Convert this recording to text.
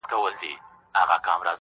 لنډ ماځيگر انتظار، اوږده غرمه انتظار,